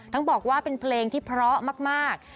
บอกว่าเป็นเพลงที่เพราะมาก